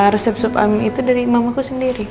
resep sup ami itu dari mamaku sendiri